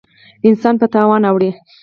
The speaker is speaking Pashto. انسان په تاوان اړوي.